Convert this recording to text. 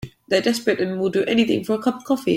They're desperate and will do anything for a cup of coffee.